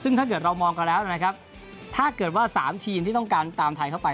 ซึ่งถ้าเกิดเรามองกันแล้วนะครับถ้าเกิดว่า๓ทีมที่ต้องการตามไทยเข้าไป